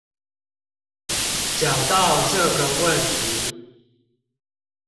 講到這個問題